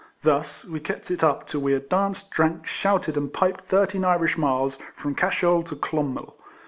Thus we kept it up till we had danced, drank, shouted, and piped thirteen Irish miles, from Cashel to Clonmel.